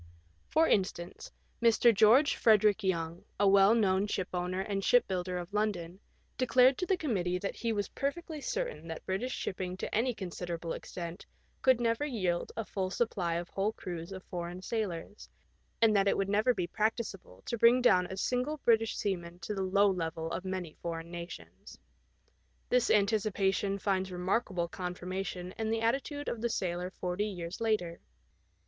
For instance, Mr. George Frederick Young, a well known shipowner and shipbuilder of London, declared to the committee that he was perfectly certain that British shipping to any considerable extent could never yield a full supply of whole crews of foreign sailors, and that it would never be practicable to bring down a single British seaman to the low level of many foreign nations. This anticipation finds remarkable confirmation in the attitude of the sailor forty years later.